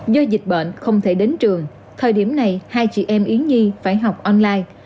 do dịch bệnh không thể đến trường thời điểm này hai chị em yến nhi phải học online